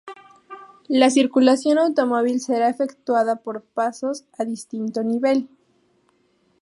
La circulación automóvil será efectuada por pasos a distinto nivel.